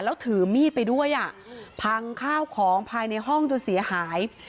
แล้วถือมีดไปด้วยอ่ะพังข้าวของภายในห้องจนเสียหาย